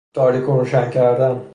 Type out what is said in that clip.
تاریک و روشن کردن